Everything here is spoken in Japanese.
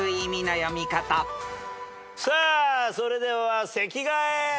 さあそれでは席替え！